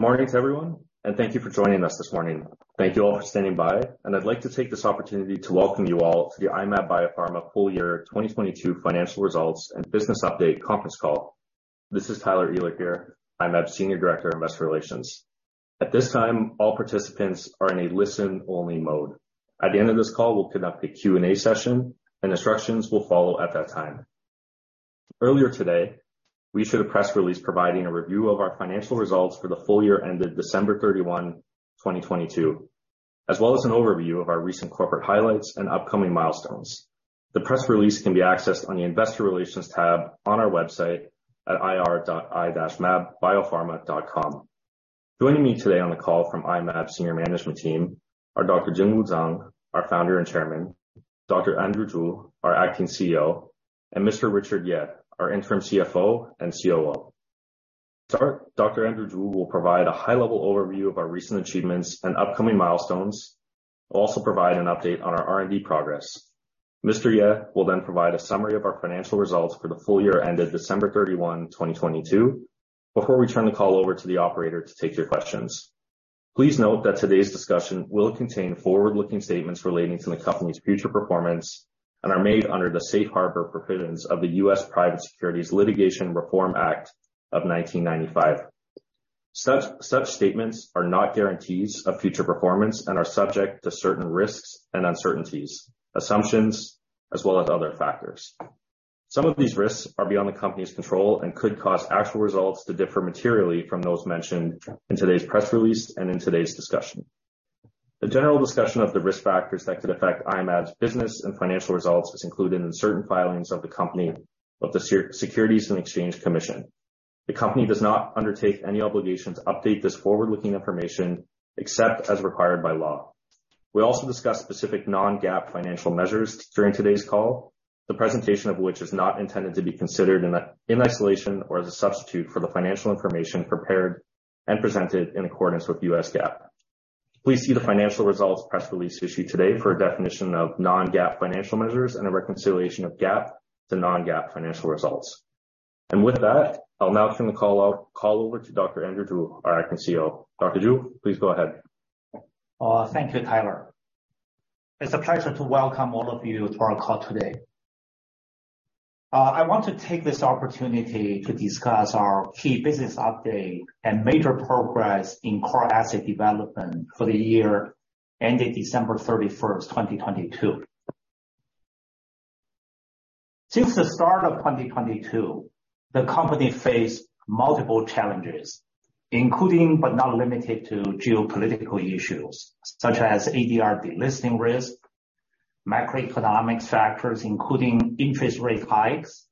Good morning to everyone, and thank you for joining us this morning. Thank you all for standing by, and I'd like to take this opportunity to welcome you all to the I-Mab Biopharma full year 2022 financial results and business update conference call. This is Tyler Ehler here, I-Mab Senior Director of Investor Relations. At this time, all participants are in a listen-only mode. At the end of this call, we'll conduct a Q&A session, and instructions will follow at that time. Earlier today, we issued a press release providing a review of our financial results for the full year ended December 31, 2022, as well as an overview of our recent corporate highlights and upcoming milestones. The press release can be accessed on the Investor Relations tab on our website at ir.i-mabbiopharma.com. Joining me today on the call from I-Mab senior management team are Dr. Jingwu Zang, our founder and chairman; Dr. Andrew Zhu, our acting CEO; and Mr. Richard Yeh, our interim CFO and COO. To start, Dr. Andrew Zhu will provide a high-level overview of our recent achievements and upcoming milestones. He'll also provide an update on our R&D progress. Mr. Yeh will then provide a summary of our financial results for the full year ended December 31, 2022, before we turn the call over to the operator to take your questions. Please note that today's discussion will contain forward-looking statements relating to the company's future performance and are made under the Safe Harbor provisions of the U.S. Private Securities Litigation Reform Act of 1995. Such statements are not guarantees of future performance and are subject to certain risks and uncertainties, assumptions, as well as other factors. Some of these risks are beyond the company's control and could cause actual results to differ materially from those mentioned in today's press release and in today's discussion. A general discussion of the risk factors that could affect I-Mab's business and financial results is included in certain filings of the company of the Securities and Exchange Commission. The company does not undertake any obligation to update this forward-looking information except as required by law. We also discuss specific non-GAAP financial measures during today's call, the presentation of which is not intended to be considered in isolation or as a substitute for the financial information prepared and presented in accordance with U.S. GAAP. Please see the financial results press release issued today for a definition of non-GAAP financial measures and a reconciliation of GAAP to non-GAAP financial results. With that, I'll now turn the call over to Dr. Andrew Zhu, our Acting CEO. Dr. Zhu, please go ahead. Thank you, Tyler. It's a pleasure to welcome all of you to our call today. I want to take this opportunity to discuss our key business update and major progress in core asset development for the year ended December 31, 2022. Since the start of 2022, the company faced multiple challenges, including, but not limited to geopolitical issues such as ADR delisting risk, macroeconomic factors, including interest rate hikes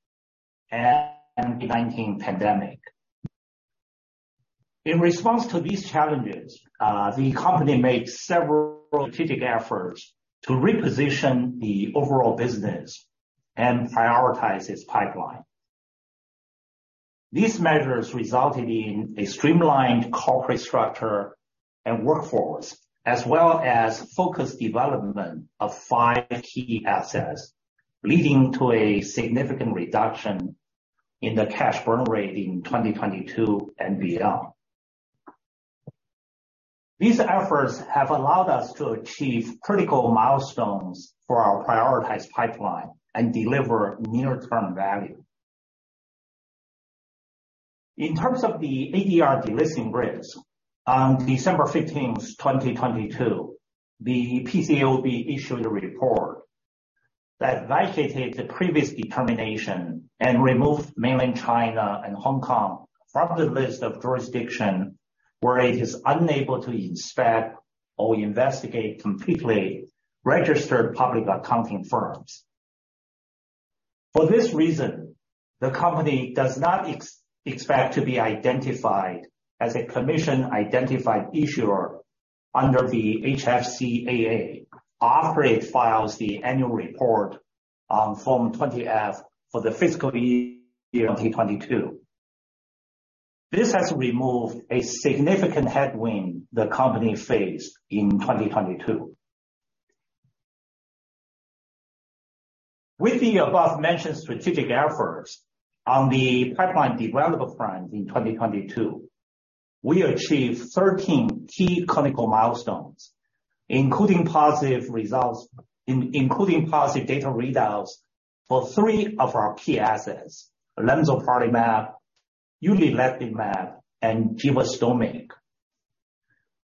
and COVID-19 pandemic. In response to these challenges, the company made several strategic efforts to reposition the overall business and prioritize its pipeline. These measures resulted in a streamlined corporate structure and workforce, as well as focused development of five key assets, leading to a significant reduction in the cash burn rate in 2022 and beyond. These efforts have allowed us to achieve critical milestones for our prioritized pipeline and deliver near-term value. In terms of the ADR delisting risk, on December 15, 2022, the PCAOB issued a report that vacated the previous determination and removed Mainland China and Hong Kong from the list of jurisdiction where it is unable to inspect or investigate completely registered public accounting firms. For this reason, the company does not expect to be identified as a commission-identified issuer under the HFCAA after it files the annual report on Form 20-F for the fiscal year 2022. This has removed a significant headwind the company faced in 2022. With the above-mentioned strategic efforts on the pipeline develop front in 2022, we achieved 13 key clinical milestones, including positive results, including positive data readouts for three of our key assets, lemzoparlimab, uliledlimab, and givastomig.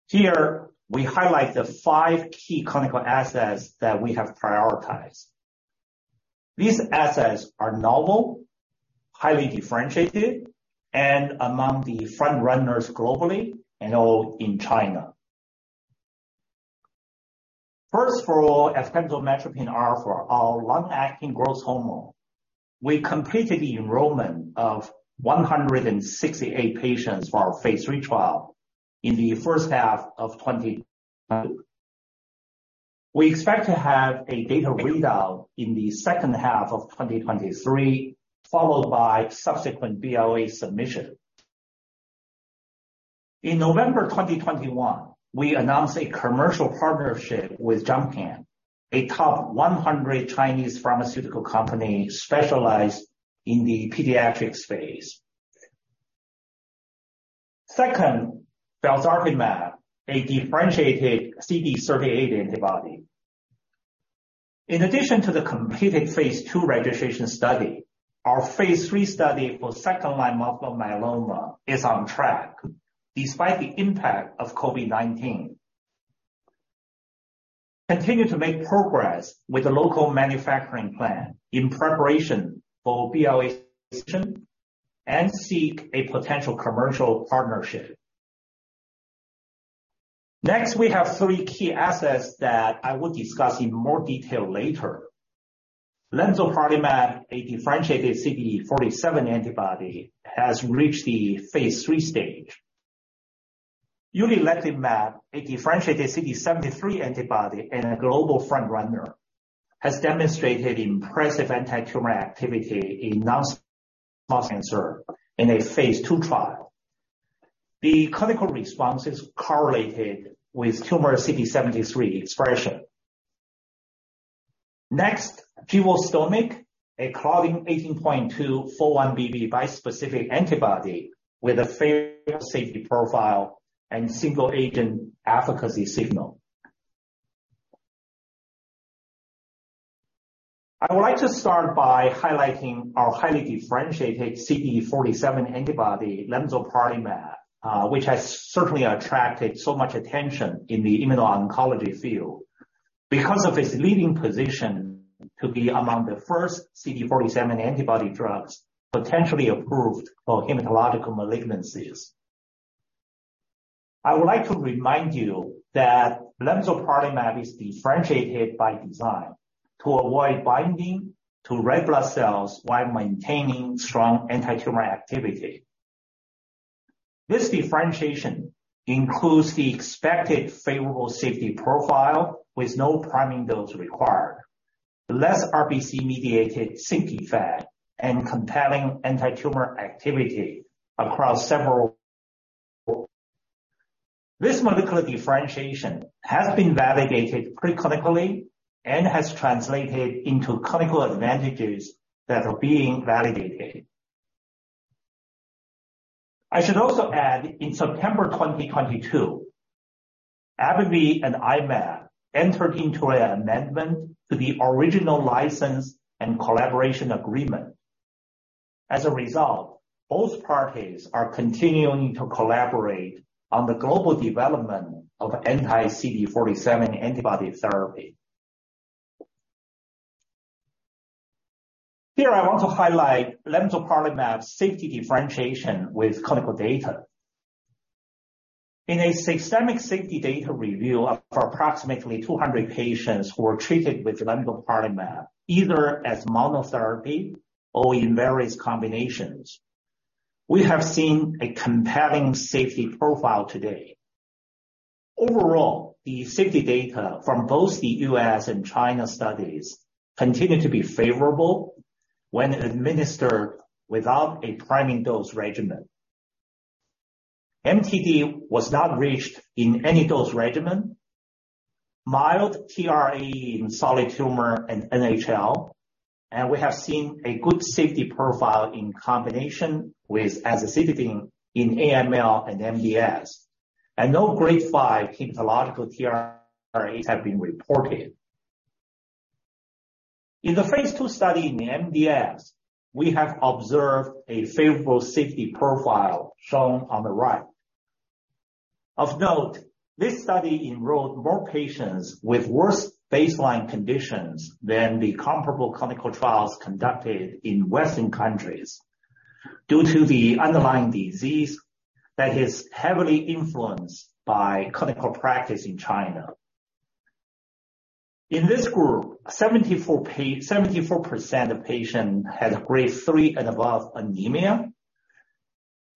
Here, we highlight the five key clinical assets that we have prioritized. These assets are novel, highly differentiated, and among the front runners globally and all in China. First of all, eftansomatropin alfa, our long-acting growth hormone. We completed the enrollment of 168 patients for our phase III trial in the first half of 2022. We expect to have a data readout in the second half of 2023, followed by subsequent BLA submission. In November 2021, we announced a commercial partnership with Jumpcan, a top 100 Chinese pharmaceutical company specialized in the pediatric space. Second, felzartamab, a differentiated CD38 antibody. In addition to the completed phase II registration study, our phase III study for second-line multiple myeloma is on track despite the impact of COVID-19. Continue to make progress with the local manufacturing plan in preparation for BLA submission and seek a potential commercial partnership. Next, we have three key assets that I will discuss in more detail later. lemzoparlimab, a differentiated CD47 antibody, has reached the phase III stage. uliledlimab, a differentiated CD73 antibody and a global front-runner, has demonstrated impressive antitumor activity in non-small cell lung cancer in a phase II trial. The clinical response is correlated with tumor CD73 expression. Next, givastomig, a Claudin 18.2/4-1BB bispecific antibody with a favorable safety profile and single-agent efficacy signal. I would like to start by highlighting our highly differentiated CD47 antibody, lemzoparlimab, which has certainly attracted so much attention in the immuno-oncology field because of its leading position to be among the first CD47 antibody drugs potentially approved for hematological malignancies. I would like to remind you that lemzoparlimab is differentiated by design to avoid binding to red blood cells while maintaining strong antitumor activity. This differentiation includes the expected favorable safety profile with no priming dose required, less RBC-mediated sink effect, and compelling antitumor activity across several. This molecular differentiation has been validated pre-clinically and has translated into clinical advantages that are being validated. I should also add, in September 2022, AbbVie and I-Mab entered into an amendment to the original license and collaboration agreement. As a result, both parties are continuing to collaborate on the global development of anti-CD47 antibody therapy. Here I want to highlight lemzoparlimab safety differentiation with clinical data. In a systemic safety data review of approximately 200 patients who were treated with lemzoparlimab, either as monotherapy or in various combinations, we have seen a compelling safety profile to date. Overall, the safety data from both the U.S. and China studies continued to be favorable when administered without a priming dose regimen. MTD was not reached in any dose regimen, mild TRAE in solid tumor and NHL, and we have seen a good safety profile in combination with azacitidine in AML and MDS, and no grade five hematological TRAEs have been reported. In the phase II study in the MDS, we have observed a favorable safety profile shown on the right. Of note, this study enrolled more patients with worse baseline conditions than the comparable clinical trials conducted in Western countries due to the underlying disease that is heavily influenced by clinical practice in China. In this group, 74% of patients had grade three and above anemia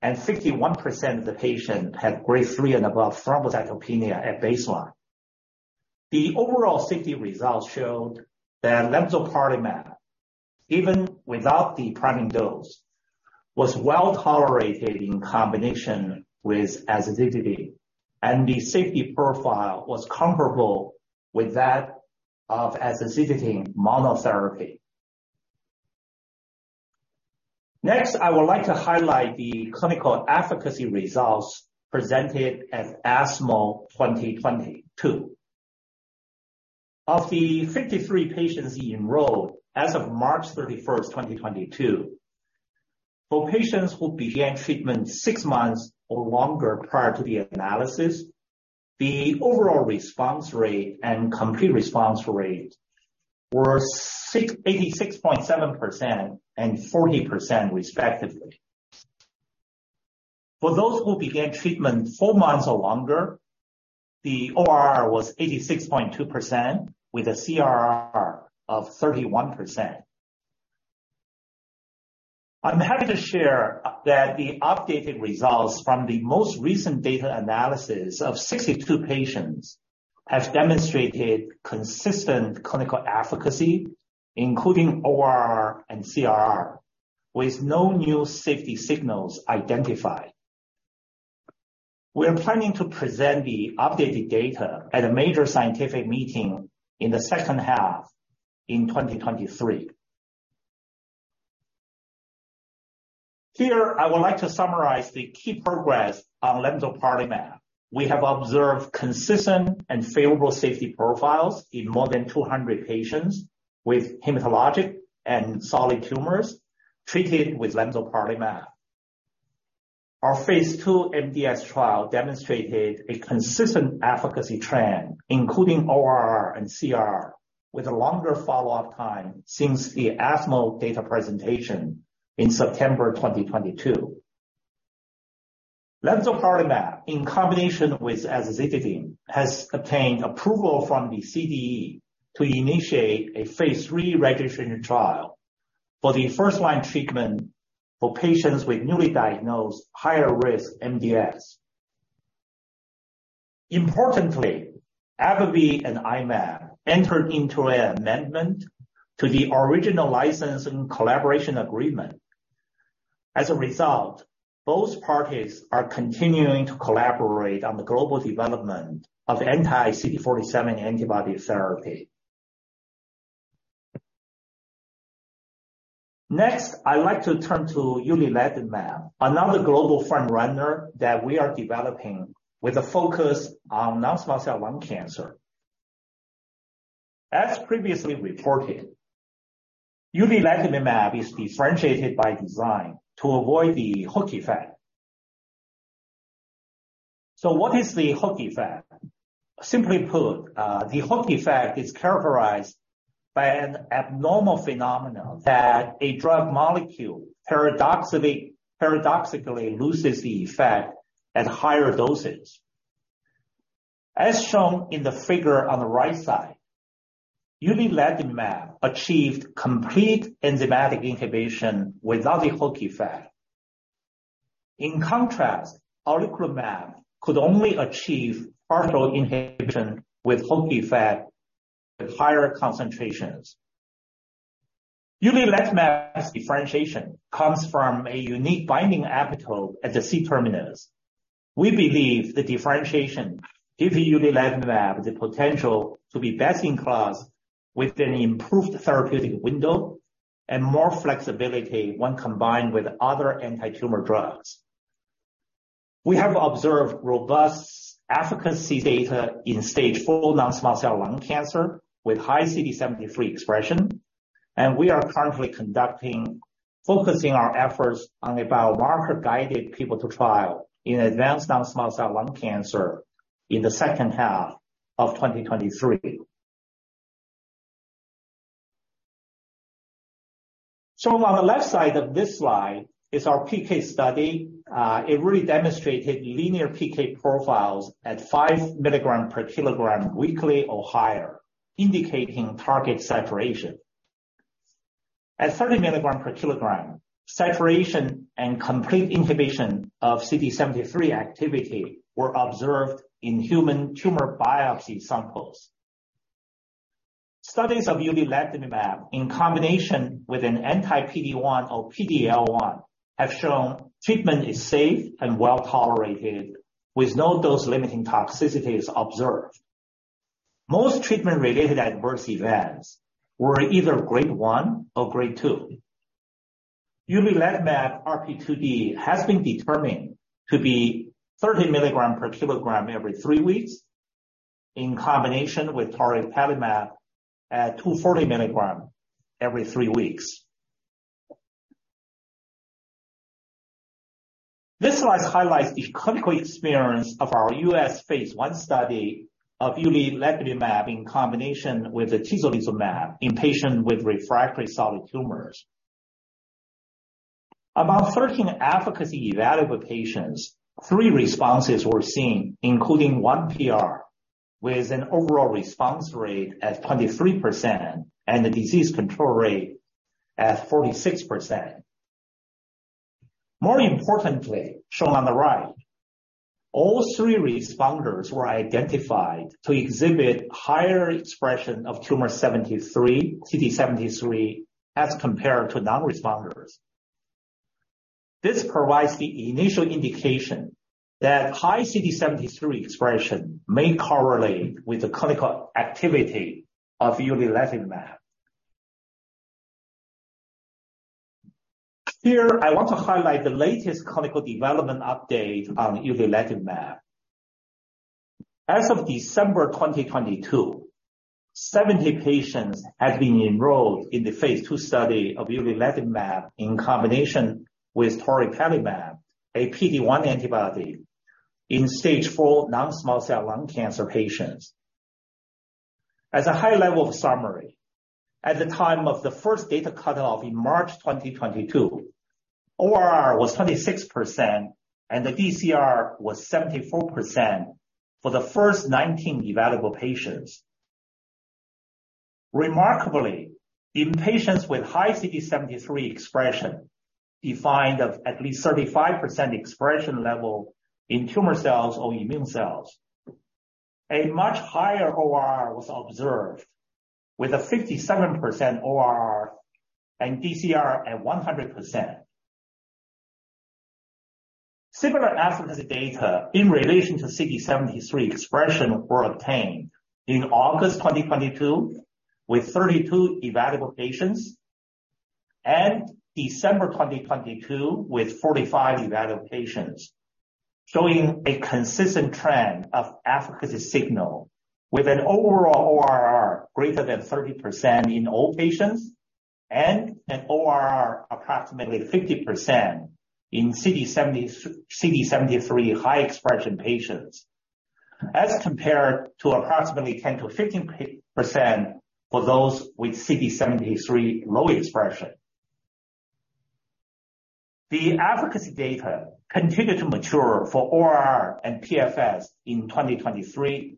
and 61% of the patients had grade three and above thrombocytopenia at baseline. The overall safety results showed that lemzoparlimab, even without the priming dose, was well-tolerated in combination with azacitidine, and the safety profile was comparable with that of azacitidine monotherapy. Next, I would like to highlight the clinical efficacy results presented at ESMO 2022. Of the 53 patients enrolled as of March 31st, 2022, for patients who began treatment six months or longer prior to the analysis, the overall response rate and complete response rate were 86.7% and 40%, respectively. For those who began treatment four months or longer, the ORR was 86.2% with a CRR of 31%. I'm happy to share that the updated results from the most recent data analysis of 62 patients have demonstrated consistent clinical efficacy, including ORR and CRR, with no new safety signals identified. We are planning to present the updated data at a major scientific meeting in the second half in 2023. Here, I would like to summarize the key progress on lemzoparlimab. We have observed consistent and favorable safety profiles in more than 200 patients with hematologic and solid tumors treated with lemzoparlimab. Our phase II MDS trial demonstrated a consistent efficacy trend, including ORR and CR, with a longer follow-up time since the ASCO data presentation in September 2022. Lemzoparlimab, in combination with azacitidine, has obtained approval from the CDE to initiate a phase III registration trial for the first-line treatment for patients with newly diagnosed higher risk MDS. Importantly, AbbVie and I-Mab entered into an amendment to the original licensing collaboration agreement. As a result, both parties are continuing to collaborate on the global development of anti-CD47 antibody therapy. Next, I like to turn to uliledlimab, another global frontrunner that we are developing with a focus on non-small cell lung cancer. As previously reported, uliledlimab is differentiated by design to avoid the hook effect. What is the hook effect? Simply put, the hook effect is characterized by an abnormal phenomenon that a drug molecule paradoxically loses the effect at higher dosage. As shown in the figure on the right side, uliledlimab achieved complete enzymatic inhibition without the hook effect. In contrast, atezolizumab could only achieve partial inhibition with hook effect with higher concentrations. Uliledlimab's differentiation comes from a unique binding epitope at the C-terminus. We believe the differentiation gives uliledlimab the potential to be best in class with an improved therapeutic window and more flexibility when combined with other antitumor drugs. We have observed robust efficacy data in stage IV non-small cell lung cancer with high CD73 expression. We are currently focusing our efforts on a biomarker-guided phase II trial in advanced non-small cell lung cancer in the second half of 2023. Shown on the left side of this slide is our PK study. It really demonstrated linear PK profiles at 5 mg/kg weekly or higher, indicating target saturation. At 30 mg/kg, saturation and complete inhibition of CD73 activity were observed in human tumor biopsy samples. Studies of uliledlimab in combination with an anti-PD-1 or PD-L1 have shown treatment is safe and well-tolerated, with no dose-limiting toxicities observed. Most treatment-related adverse events were either grade one or grade two. Uliledlimab RP2D has been determined to be 30 mg/kg every three weeks in combination with toripalimab at 240 mg every three weeks. This slide highlights the clinical experience of our U.S. phase I study of uliledlimab in combination with atezolizumab in patients with refractory solid tumors. Among 13 efficacy evaluable patients, three responses were seen, including one PR, with an overall response rate at 23% and a disease control rate at 46%. More importantly, shown on the right, all three responders were identified to exhibit higher expression of tumor 73, CD73, as compared to non-responders. This provides the initial indication that high CD73 expression may correlate with the clinical activity of uliledlimab. Here, I want to highlight the latest clinical development update on uliledlimab. As of December 2022, 70 patients have been enrolled in the phase II study of uliledlimab in combination with toripalimab, a PD-1 antibody, in stage IV non-small cell lung cancer patients. As a high level of summary, at the time of the first data cutoff in March 2022, ORR was 26% and the DCR was 74% for the first 19 evaluable patients. Remarkably, in patients with high CD73 expression, defined of at least 35% expression level in tumor cells or immune cells. A much higher ORR was observed with a 57% ORR and DCR at 100%. Similar efficacy data in relation to CD73 expression were obtained in August 2022 with 32 evaluable patients and December 2022 with 45 evaluable patients, showing a consistent trend of efficacy signal with an overall ORR greater than 30% in all patients and an ORR approximately 50% in CD73 high expression patients, as compared to approximately 10%-15% for those with CD73 low expression. The efficacy data continued to mature for ORR and PFS in 2023.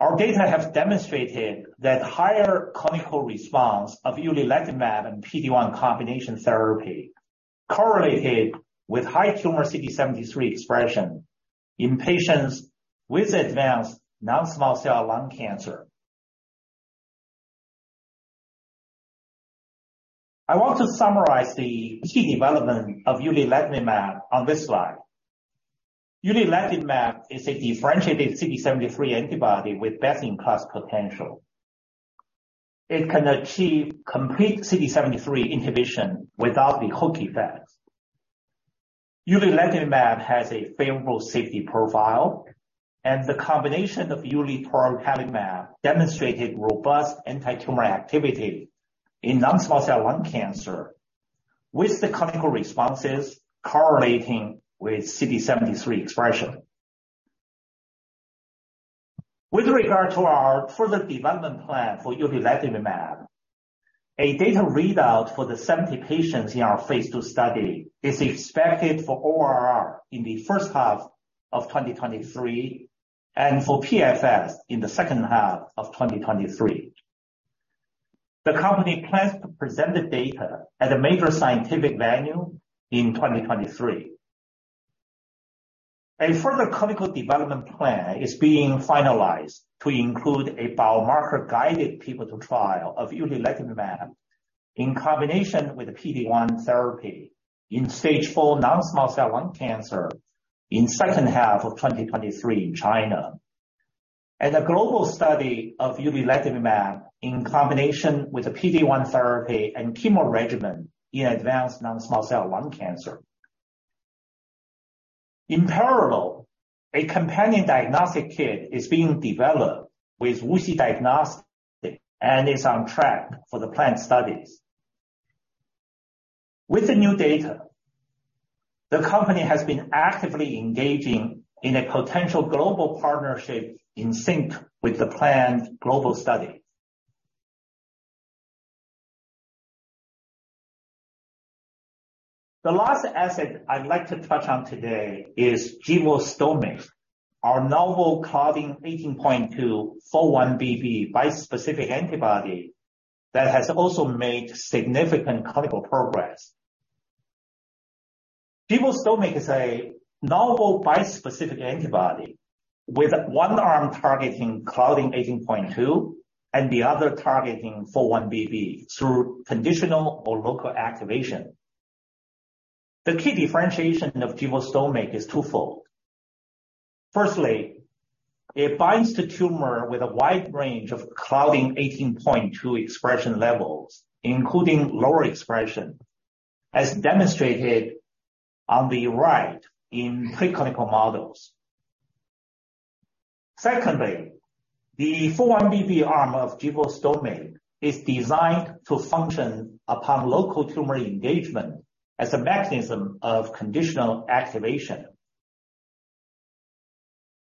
Our data have demonstrated that higher clinical response of uliledlimab and PD-1 combination therapy correlated with high tumor CD73 expression in patients with advanced non-small cell lung cancer. I want to summarize the key development of uliledlimab on this slide. Uliledlimab is a differentiated CD73 antibody with best-in-class potential. It can achieve complete CD73 inhibition without the hook effect. Uliledlimab has a favorable safety profile, and the combination of uliledlimab plus pembrolizumab demonstrated robust antitumor activity in non-small cell lung cancer, with the clinical responses correlating with CD73 expression. With regard to our further development plan for uliledlimab, a data readout for the 70 patients in our phase II study is expected for ORR in the first half of 2023, and for PFS in the second half of 2023. The company plans to present the data at a major scientific venue in 2023. A further clinical development plan is being finalized to include a biomarker-guided pivotal trial of uliledlimab in combination with PD-1 therapy in stage IV non-small cell lung cancer in second half of 2023 in China, and a global study of uliledlimab in combination with a PD-1 therapy and chemo regimen in advanced non-small cell lung cancer. In parallel, a companion diagnostic kit is being developed with WuXi Diagnostics and is on track for the planned studies. With the new data, the company has been actively engaging in a potential global partnership in sync with the planned global study. The last asset I'd like to touch on today is givastomig, our novel Claudin 18.2/4-1BB bispecific antibody that has also made significant clinical progress. Givastomig is a novel bispecific antibody with one arm targeting Claudin 18.2 and the other targeting 4-1BB through conditional or local activation. The key differentiation of givastomig is twofold. Firstly, it binds to tumor with a wide range of Claudin 18.2 expression levels, including lower expression, as demonstrated on the right in preclinical models. Secondly, the 4-1BB arm of givastomig is designed to function upon local tumor engagement as a mechanism of conditional activation.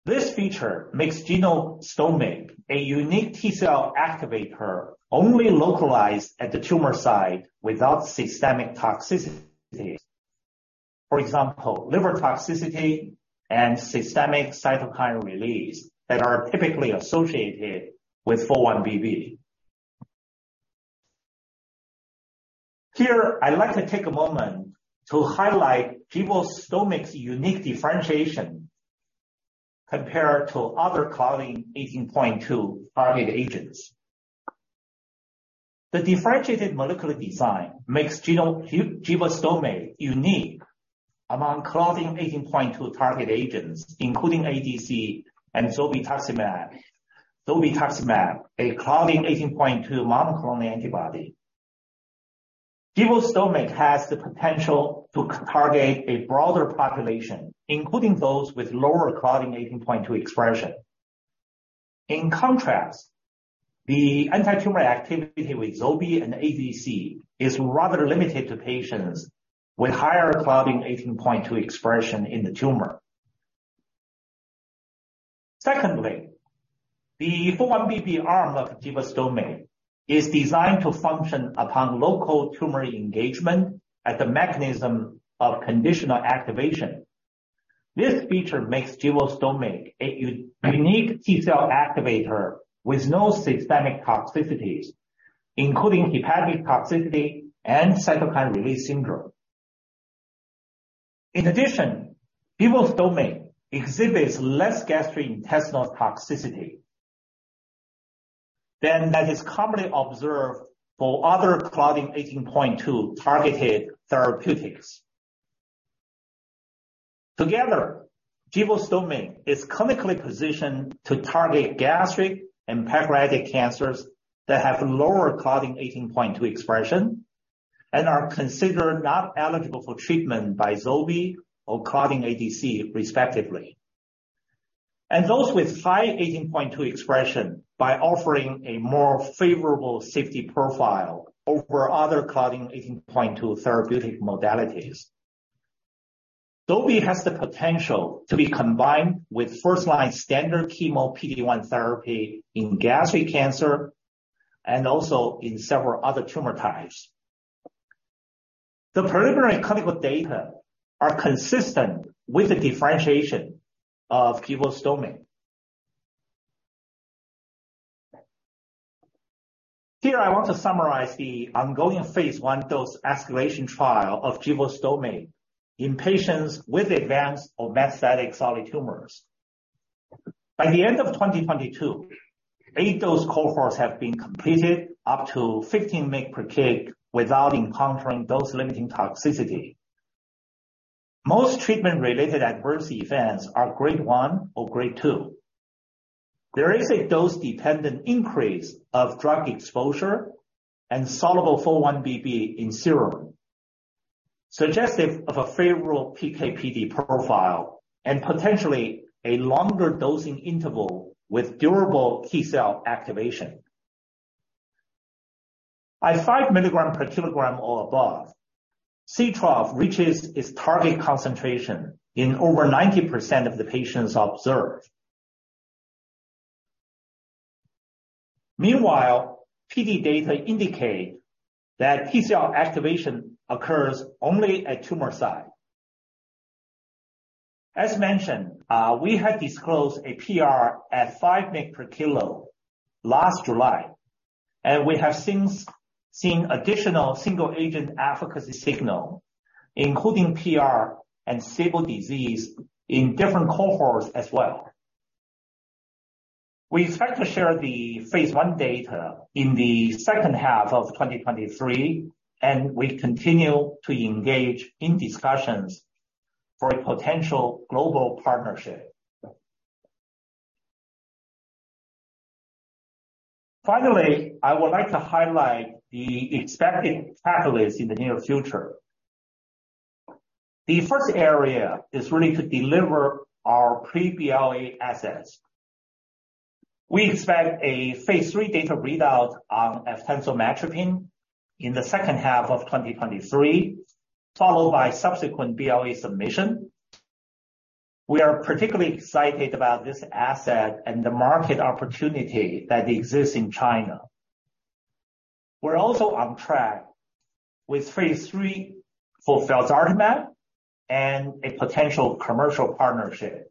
This feature makes givastomig a unique T-cell activator only localized at the tumor site without systemic toxicities. For example, liver toxicity and systemic cytokine release that are typically associated with 4-1BB. Here, I'd like to take a moment to highlight givastomig's unique differentiation compared to other Claudin 18.2 target agents. The differentiated molecular design makes givastomig unique among Claudin 18.2 target agents, including ADC and zolbetuximab, a Claudin 18.2 monoclonal antibody. Givastomig has the potential to target a broader population, including those with lower Claudin 18.2 expression. In contrast, the antitumor activity with zolbetuximab and ADC is rather limited to patients with higher Claudin 18.2 expression in the tumor. Secondly, the 4-1BB arm of givastomig is designed to function upon local tumor engagement as a mechanism of conditional activation. This feature makes givastomig a unique T-cell activator with no systemic toxicities, including hepatic toxicity and cytokine release syndrome. Givastomig exhibits less gastrointestinal toxicity than that is commonly observed for other Claudin 18.2 targeted therapeutics. Together, givastomig is clinically positioned to target gastric and pancreatic cancers that have lower Claudin 18.2 expression and are considered not eligible for treatment by zobi or Claudin ADC respectively. Those with high 18.2 expression by offering a more favorable safety profile over other Claudin 18.2 therapeutic modalities. Zobi has the potential to be combined with first-line standard chemo PD-1 therapy in gastric cancer and also in several other tumor types. The preliminary clinical data are consistent with the differentiation of givastomig. Here I want to summarize the ongoing phase I dose escalation trial of givastomig in patients with advanced or metastatic solid tumors. By the end of 2022, eight dose cohorts have been completed up to 15 mg/kg without encountering dose-limiting toxicity. Most treatment-related adverse events are grade 1 or grade 2. There is a dose-dependent increase of drug exposure and soluble 4-1BB in serum, suggestive of a favorable PK/PD profile and potentially a longer dosing interval with durable T-cell activation. At 5 mg/kg or above, C-trough reaches its target concentration in over 90% of the patients observed. Meanwhile, PD data indicate that TCR activation occurs only at tumor site. As mentioned, we have disclosed a PR at 5 mg/kg last July, and we have since seen additional single-agent efficacy signal, including PR and stable disease in different cohorts as well. We expect to share the phase I data in the second half of 2023, and we continue to engage in discussions for a potential global partnership. Finally, I would like to highlight the expected catalyst in the near future. The first area is really to deliver our pre-BLA assets. We expect a phase III data readout on eftansomatropin alfa in the second half of 2023, followed by subsequent BLA submission. We are particularly excited about this asset and the market opportunity that exists in China. We're also on track with phase III for felzartamab and a potential commercial partnership.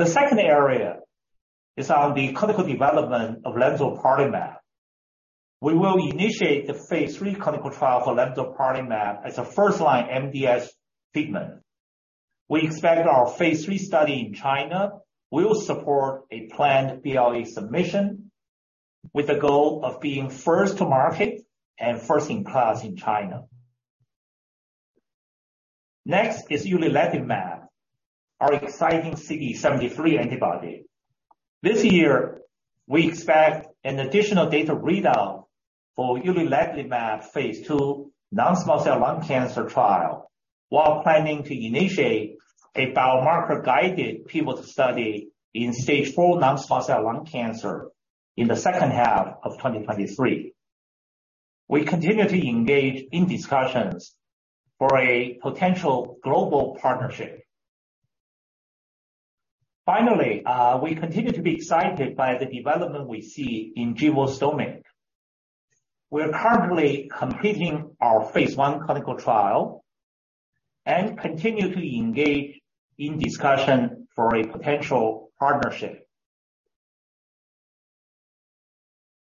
The second area is on the clinical development of lemzoparlimab. We will initiate the phase III clinical trial for lemzoparlimab as a first-line MDS treatment. We expect our phase III study in China will support a planned BLA submission with the goal of being first to market and first in class in China. Next is uliledlimab, our exciting CD73 antibody. This year, we expect an additional data readout for uliledlimab phase II non-small cell lung cancer trial, while planning to initiate a biomarker-guided pivotal study in stage IV non-small cell lung cancer in the second half of 2023. We continue to engage in discussions for a potential global partnership. Finally, we continue to be excited by the development we see in givastomig. We are currently completing our phase I clinical trial and continue to engage in discussion for a potential partnership.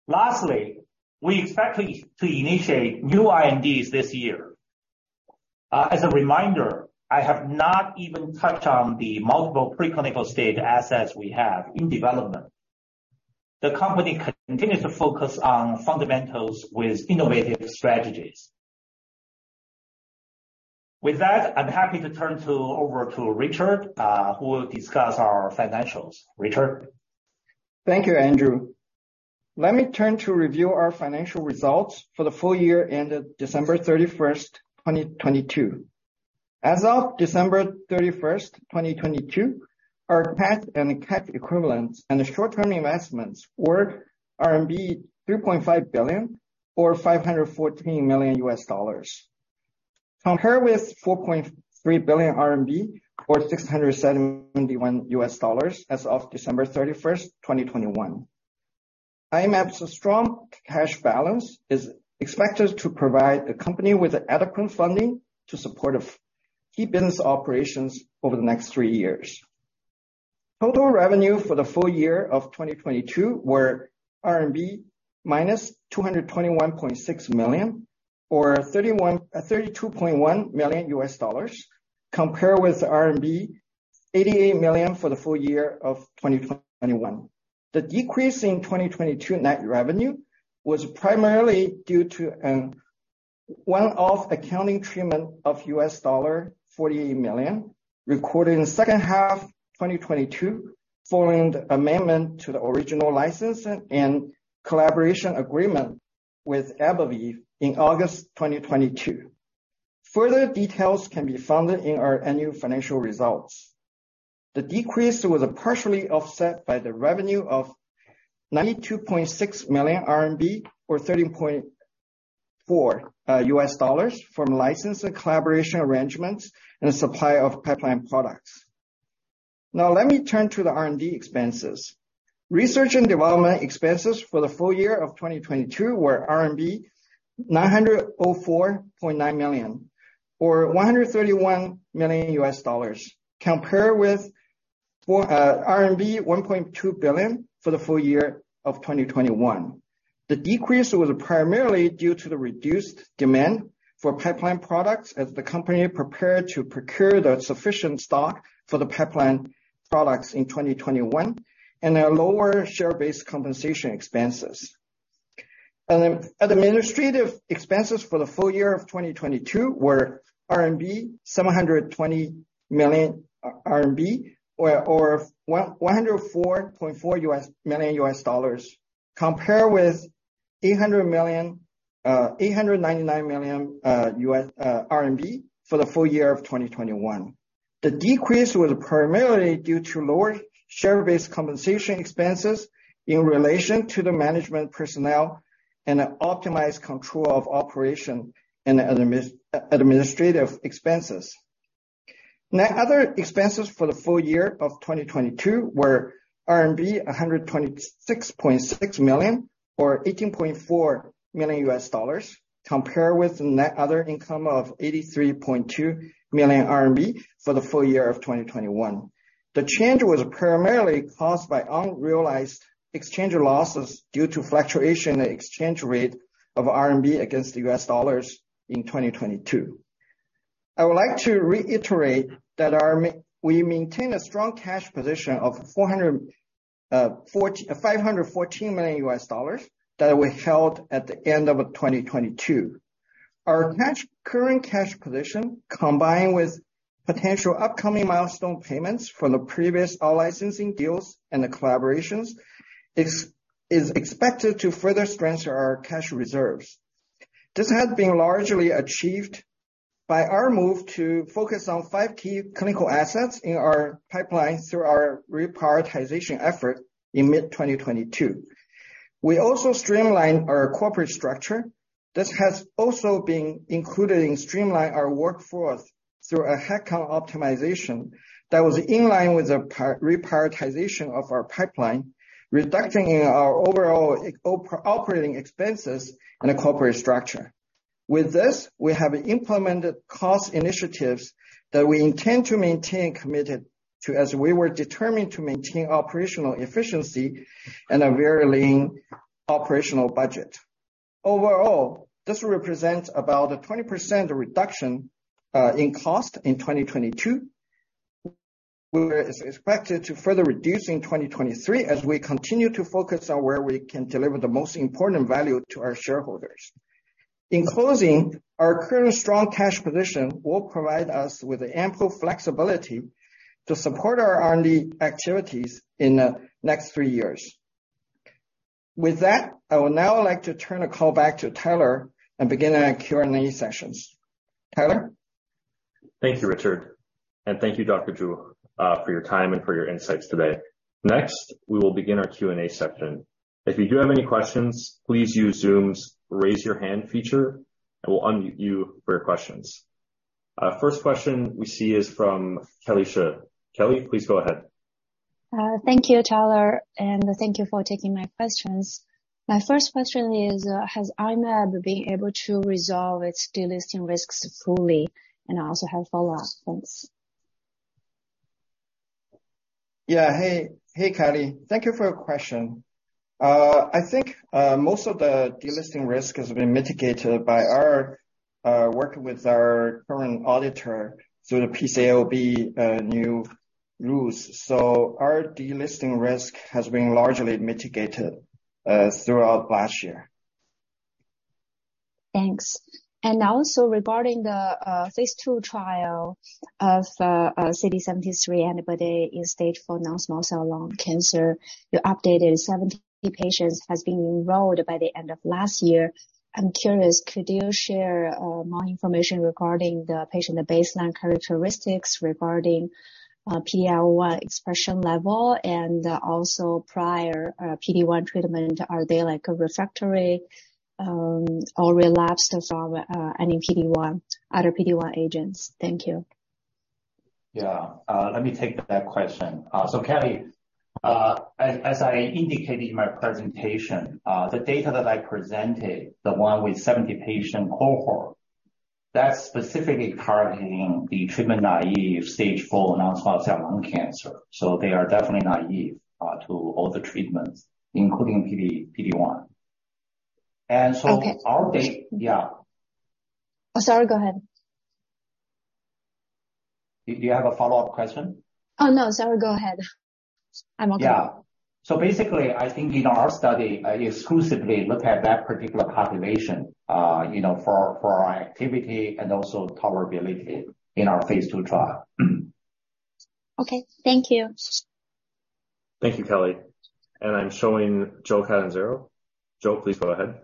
Lastly, we expect to initiate new INDs this year. As a reminder, I have not even touched on the multiple preclinical-stage assets we have in development. The company continues to focus on fundamentals with innovative strategies. With that, I'm happy to turn over to Richard, who will discuss our financials. Richard. Thank you, Andrew. Let me turn to review our financial results for the full year ended December 31st, 2022. As of December 31st, 2022, our cash and cash equivalents and short-term investments were RMB 3.5 billion or $514 million. Compared with 4.3 billion RMB or $671 million as of December 31st, 2021. I-Mab's strong cash balance is expected to provide the company with adequate funding to support key business operations over the next three years. Total revenue for the full year of 2022 were -221.6 million RMB or $32.1 million, compared with the RMB 88 million for the full year of 2021. The decrease in 2022 net revenue was primarily due to an one-off accounting treatment of $48 million, recorded in the second half 2022, following the amendment to the original license and collaboration agreement with AbbVie in August 2022. Further details can be found in our annual financial results. The decrease was partially offset by the revenue of 92.6 million RMB or $13.4 million from license and collaboration arrangements and the supply of pipeline products. Let me turn to the R&D expenses. Research and development expenses for the full year of 2022 were RMB 904.9 million or $131 million, compared with RMB 1.2 billion for the full year of 2021. The decrease was primarily due to the reduced demand for pipeline products as the company prepared to procure the sufficient stock for the pipeline products in 2021 and a lower share-based compensation expenses. Administrative expenses for the full year of 2022 were 720 million RMB or $104.4 million, compared with 800 million, 899 million RMB for the full year of 2021. The decrease was primarily due to lower share-based compensation expenses in relation to the management personnel and an optimized control of operation and administrative expenses. Net other expenses for the full year of 2022 were RMB 126.6 million or $18.4 million, compared with net other income of 83.2 million RMB for the full year of 2021. The change was primarily caused by unrealized exchange losses due to fluctuation in exchange rate of RMB against the U.S. dollars in 2022. I would like to reiterate that we maintain a strong cash position of $514 million that we held at the end of 2022. Our current cash position, combined with potential upcoming milestone payments from the previous out-licensing deals and the collaborations, is expected to further strengthen our cash reserves. This has been largely achieved by our move to focus on five key clinical assets in our pipeline through our reprioritization effort in mid-2022. We also streamlined our corporate structure. This has also been included in streamline our workforce through a headcount optimization that was in line with the reprioritization of our pipeline, reducing our overall operating expenses in the corporate structure. With this, we have implemented cost initiatives that we intend to maintain committed to as we were determined to maintain operational efficiency and a very lean operational budget. Overall, this represents about a 20% reduction in cost in 2022. We're expected to further reduce in 2023 as we continue to focus on where we can deliver the most important value to our shareholders. In closing, our current strong cash position will provide us with ample flexibility to support our R&D activities in the next three years. With that, I would now like to turn the call back to Tyler and begin our Q&A sessions. Tyler? Thank you, Richard. Thank you, Dr. Zhu, for your time and for your insights today. Next, we will begin our Q&A session. If you do have any questions, please use Zoom's raise your hand feature, and we'll unmute you for your questions. First question we see is from Kelly Shi. Kelly, please go ahead. Thank you, Tyler, and thank you for taking my questions. My first question is, has I-Mab being able to resolve its delisting risks fully? I also have follow-up. Thanks. Yeah. Hey, hey, Kelly. Thank you for your question. I think most of the delisting risk has been mitigated by our work with our current auditor through the PCAOB new rules. Our delisting risk has been largely mitigated throughout last year. Thanks. Also regarding the phase II trial of CD73 antibody in stage IV non-small cell lung cancer, your updated 70 patients has been enrolled by the end of last year. I'm curious, could you share more information regarding the patient baseline characteristics regarding PD-L1 expression level and also prior PD-1 treatment? Are they like a refractory or relapsed as from any other PD-1 agents? Thank you. Yeah. Let me take that question. Kelly, as I indicated in my presentation, the data that I presented, the one with 70 patient cohort. That's specifically targeting the treatment naive stage four non-small cell lung cancer. They are definitely naive to all the treatments, including PD-1. Okay. Yeah. Sorry, go ahead. Do you have a follow-up question? Oh, no. Sorry, go ahead. I'm okay. Yeah. Basically, I think in our study, exclusively looked at that particular population, you know, for our activity and also tolerability in our phase II trial. Okay, thank you. Thank you, Kelly. I'm showing Joe Catanzaro. Joe, please go ahead.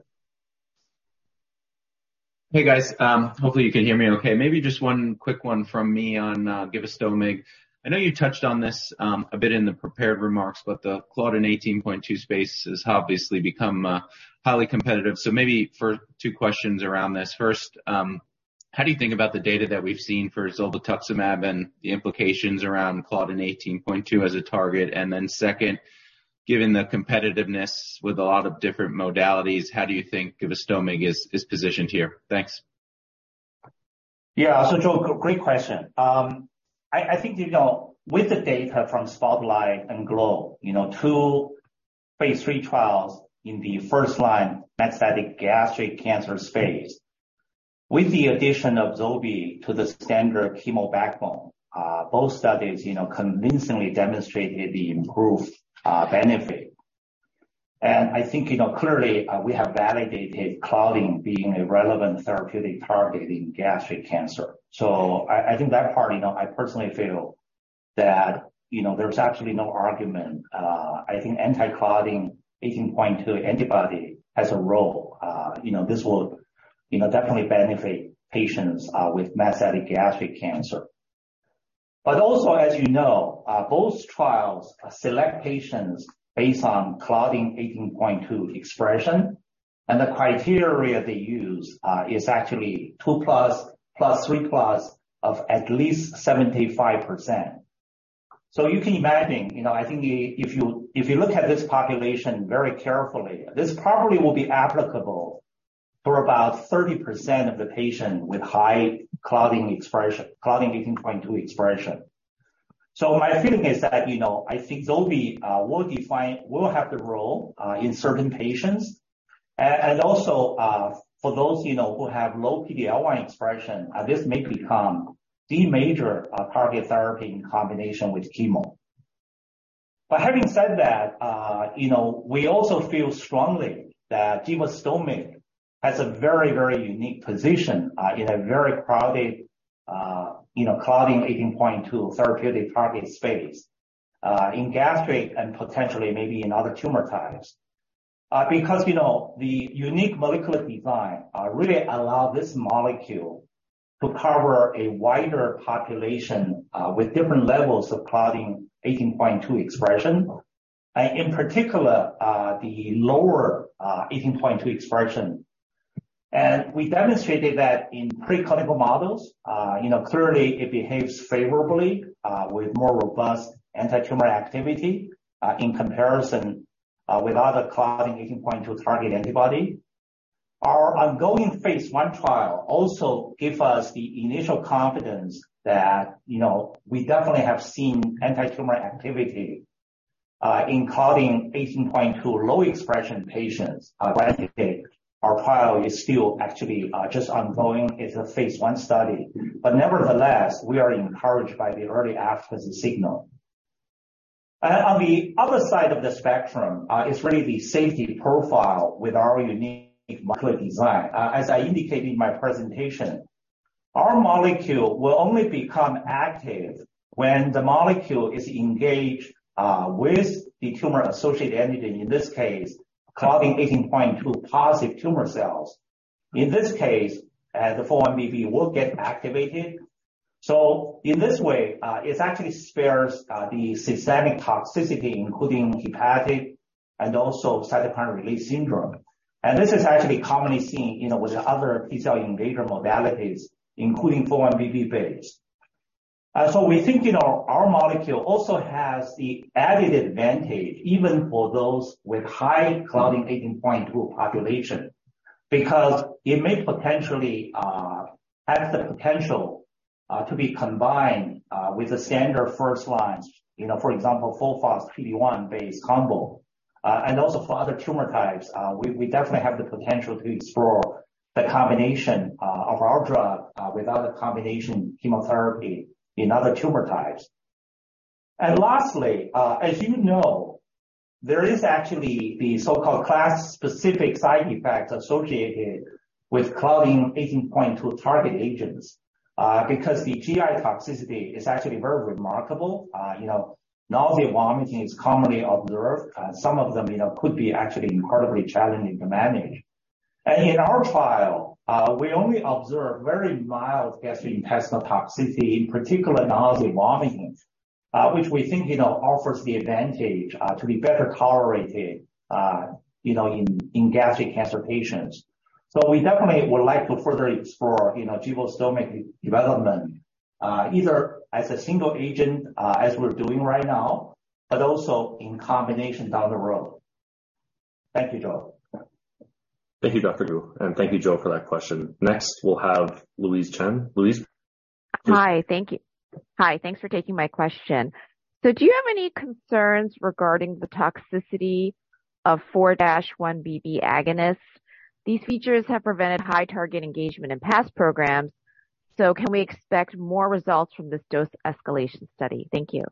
Hey, guys. Hopefully you can hear me okay. Maybe just one quick one from me on givastomig. I know you touched on this a bit in the prepared remarks, but the Claudin 18.2 space has obviously become highly competitive. Maybe for two questions around this. First, how do you think about the data that we've seen for zolbetuximab and the implications around Claudin 18.2 as a target? Then second, given the competitiveness with a lot of different modalities, how do you think givastomig is positioned here? Thanks. Joe, great question. I think, you know, with the data from SPOTLIGHT and GLOW, you know, two phase III trials in the first line, metastatic gastric cancer space. With the addition of zobi to the standard chemo backbone, both studies, you know, convincingly demonstrated the improved benefit. I think, you know, clearly, we have validated Claudin being a relevant therapeutic target in gastric cancer. I think that part, you know, I personally feel that, you know, there's actually no argument. I think anti Claudin 18.2 antibody has a role. You know, this will, you know, definitely benefit patients with metastatic gastric cancer. Also, as you know, both trials select patients based on Claudin 18.2 expression, and the criteria they use, is actually 2+ plus 3+ of at least 75%. You can imagine, you know, I think if you, if you look at this population very carefully, this probably will be applicable for about 30% of the patient with high Claudin expression, Claudin 18.2 expression. My feeling is that, you know, I think zobi will have the role in certain patients. And also, for those, you know, who have low PD-L1 expression, this may become the major, target therapy in combination with chemo. Having said that, you know, we also feel strongly that givastomig has a very, very unique position, in a very crowded, you know, Claudin 18.2 therapeutic target space, in gastric and potentially maybe in other tumor types. Because, you know, the unique molecular design, really allow this molecule to cover a wider population, with different levels of Claudin 18.2 expression, in particular, the lower, 18.2 expression. We demonstrated that in preclinical models, you know, clearly it behaves favorably, with more robust antitumor activity, in comparison, with other Claudin 18.2 target antibody. Our ongoing phase I trial also give us the initial confidence that, you know, we definitely have seen antitumor activity in Claudin 18.2 low expression patients, granted that our trial is still actually just ongoing. It's a phase I study. Nevertheless, we are encouraged by the early efficacy signal. On the other side of the spectrum, is really the safety profile with our unique molecular design. As I indicated in my presentation, our molecule will only become active when the molecule is engaged with the tumor-associated antigen, in this case, Claudin 18.2 positive tumor cells. In this case, the 4-1BB will get activated. In this way, it actually spares the systemic toxicity, including hepatic and also cytokine release syndrome. This is actually commonly seen, you know, with other T-cell invader modalities, including 4-1BB base. So we think, you know, our molecule also has the added advantage, even for those with high Claudin 18.2 population, because it may potentially have the potential to be combined with the standard first line, you know, for example, FOLFIRINOX PD-1 based combo. Also for other tumor types, we definitely have the potential to explore the combination of our drug with other combination chemotherapy in other tumor types. Lastly, as you know, there is actually the so-called class-specific side effects associated with Claudin 18.2 target agents, because the GI toxicity is actually very remarkable. You know, nausea and vomiting is commonly observed. Some of them, you know, could be actually incredibly challenging to manage. In our trial, we only observe very mild gastrointestinal toxicity, in particular nausea and vomiting, which we think, you know, offers the advantage to be better tolerated, you know, in gastric cancer patients. We definitely would like to further explore, you know, givastomig development, either as a single agent, as we're doing right now, but also in combination down the road. Thank you, Joe. Thank you, Dr. Zhu, and thank you, Joe, for that question. Next, we'll have Louise Chen. Louise? Hi. Thanks for taking my question. Do you have any concerns regarding the toxicity of 4-1BB agonists? These features have prevented high target engagement in past programs. Can we expect more results from this dose escalation study? Thank you.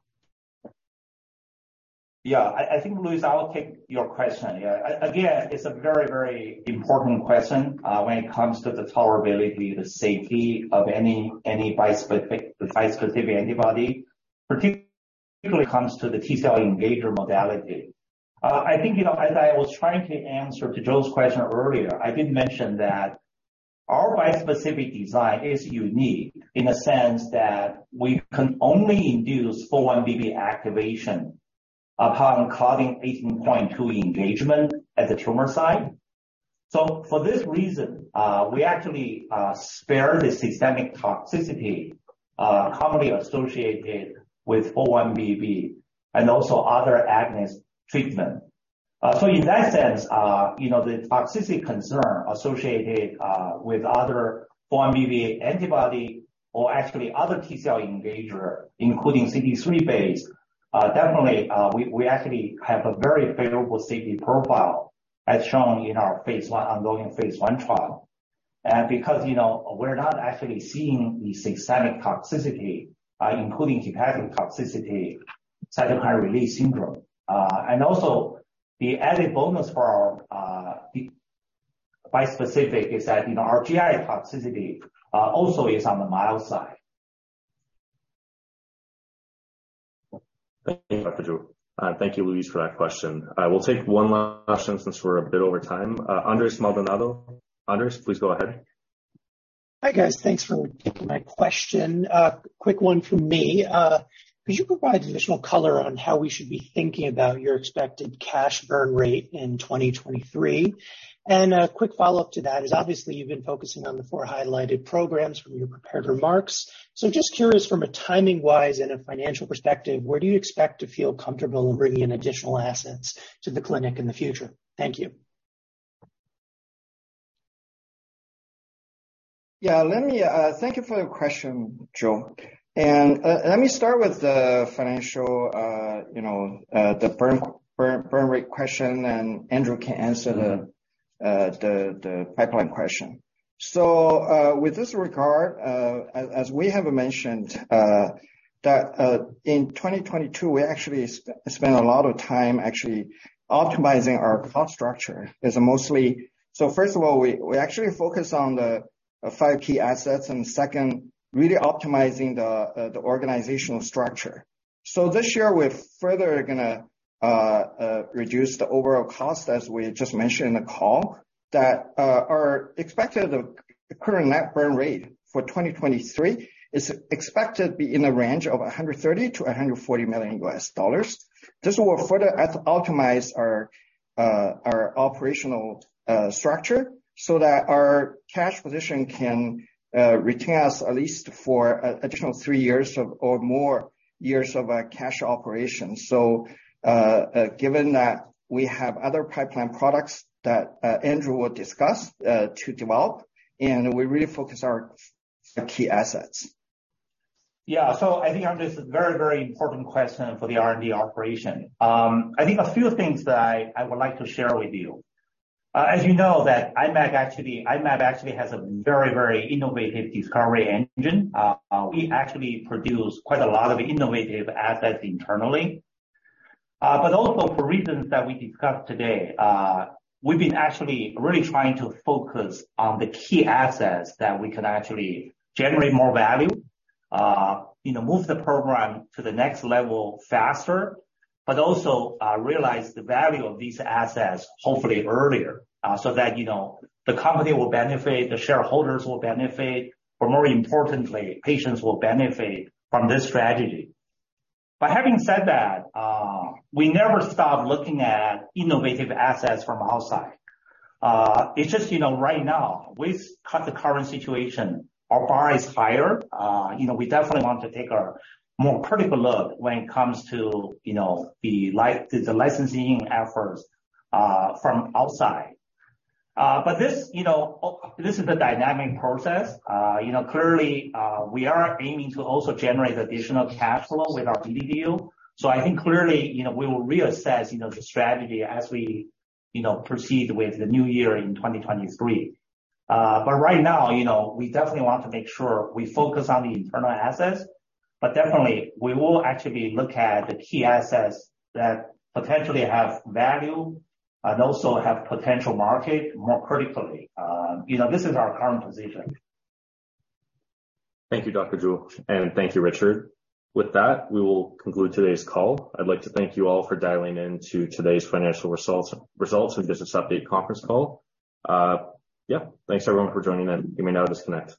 Yeah. I think, Louise, I will take your question. Yeah. Again, it's a very, very important question when it comes to the tolerability, the safety of any bispecific antibody, particularly comes to the T-cell engager modality. I think, you know, as I was trying to answer to Joe's question earlier, I did mention that our bispecific design is unique in a sense that we can only induce 4-1BB activation upon Claudin 18.2 engagement at the tumor site. For this reason, we actually spare the systemic toxicity commonly associated with 4-1BB and also other agonist treatment. In that sense, you know, the toxicity concern associated with other 4-1BB antibody or actually other T-cell engager, including CD3 base, definitely, we actually have a very favorable safety profile as shown in our phase I ongoing phase I trial. Because, you know, we're not actually seeing the systemic toxicity, including cytokine toxicity, cytokine release syndrome. Also the added bonus for our bispecific is that, you know, our GI toxicity also is on the mild side. Thank you, Dr. Zhu. Thank you, Louise, for that question. I will take one last question since we're a bit over time. Andres Maldonado. Andres, please go ahead. Hi, guys. Thanks for taking my question. quick one from me. could you provide additional color on how we should be thinking about your expected cash burn rate in 2023? A quick follow-up to that is, obviously, you've been focusing on the four highlighted programs from your prepared remarks. Just curious from a timing-wise and a financial perspective, where do you expect to feel comfortable bringing in additional assets to the clinic in the future? Thank you. Thank you for the question, Joe. Let me start with the financial, you know, the burn rate question, and Andrew can answer the pipeline question. With this regard, as we have mentioned, that in 2022, we actually spent a lot of time actually optimizing our cost structure. First of all, we actually focus on the five key assets, and second, really optimizing the organizational structure. This year we're further gonna reduce the overall cost, as we just mentioned in the call, that are expected of the current net burn rate for 2023, is expected to be in the range of $130 million-$140 million. This will further optimize our operational structure so that our cash position can retain us at least for additional three years of, or more years of, cash operation. Given that we have other pipeline products that Andrew will discuss to develop, and we really focus our key assets. Yeah. I think, Andres, this is a very, very important question for the R&D operation. I think a few things that I would like to share with you. As you know, that I-Mab actually has a very, very innovative discovery engine. We actually produce quite a lot of innovative assets internally. Also for reasons that we discussed today, we've been actually really trying to focus on the key assets that we can actually generate more value, you know, move the program to the next level faster, also realize the value of these assets hopefully earlier, so that, you know, the company will benefit, the shareholders will benefit, but more importantly, patients will benefit from this strategy. Having said that, we never stop looking at innovative assets from outside. It's just, you know, right now with the current situation, our bar is higher. You know, we definitely want to take a more critical look when it comes to, you know, the licensing efforts from outside. This, you know, this is a dynamic process. You know, clearly, we are aiming to also generate additional capital with our BD deal. I think clearly, you know, we will reassess, you know, the strategy as we, you know, proceed with the new year in 2023. but right now, you know, we definitely want to make sure we focus on the internal assets, but definitely we will actually look at the key assets that potentially have value and also have potential market more critically. you know, this is our current position. Thank you, Dr. Zhu, and thank you, Richard. With that, we will conclude today's call. I'd like to thank you all for dialing in to today's financial results and business update conference call. Yeah, thanks, everyone, for joining and you may now disconnect.